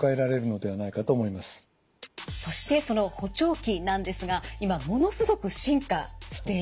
そしてその補聴器なんですが今ものすごく進化しています。